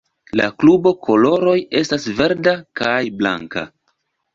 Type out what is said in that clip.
La klubo koloroj estas verda kaj blanka.